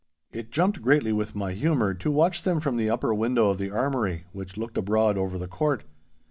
It jumped greatly with my humour to watch them from the upper window of the armoury which looked abroad over the court.